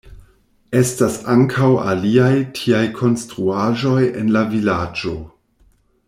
Estas ankaŭ aliaj tiaj konstruaĵoj en la vilaĝo.